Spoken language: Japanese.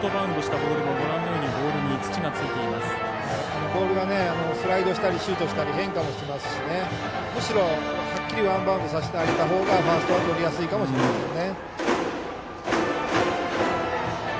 ボールがスライドしたりシュートしたり変化しますからはっきりワンバウンドしたほうがファーストはとりやすいかもしれないですね。